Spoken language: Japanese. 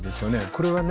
これはね